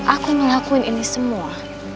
aku ngelakuin ini semua